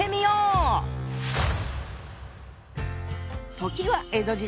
時は江戸時代。